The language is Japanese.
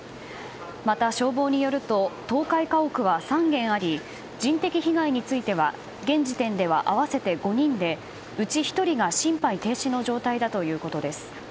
また、消防によると倒壊家屋は３軒あり人的被害については現時点では合わせて５人でうち１人が心肺停止の状態だということです。